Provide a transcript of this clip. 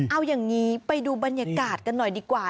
เอาอย่างนี้ไปดูบรรยากาศกันหน่อยดีกว่า